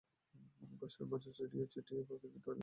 ঘাসের মাঝে ছড়িয়ে ছিটিয়ে আছে কিছু তাজা, মরা, আধমরা জবা ফুল।